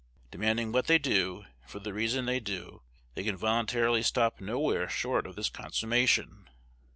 Demanding what they do, and for the reason they do, they can voluntarily stop nowhere short of this consummation.